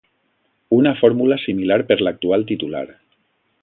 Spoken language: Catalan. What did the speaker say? Una fórmula similar per l'actual titular.